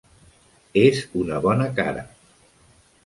És una bona cara.